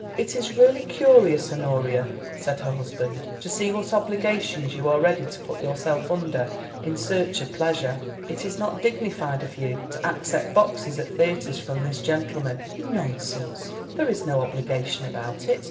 "It is really curious, Honoria," said her husband, "to see what obligations you are ready to put yourself under in search of pleasure. It is not dignified of you to accept boxes at theatres from this gentleman." "Nonsense. There is no obligation about it.